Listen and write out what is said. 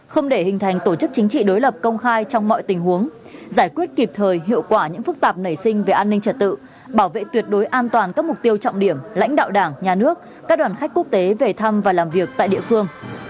không để hình thành tổ chức chính trị đối lập công khai trong mọi tình huống giải quyết kịp thời hiệu quả những phức tạp nảy sinh về an ninh trật tự bảo vệ tuyệt đối an toàn các mục tiêu trọng điểm lãnh đạo đảng nhà nước các đoàn khách quốc tế về thăm và làm việc tại địa phương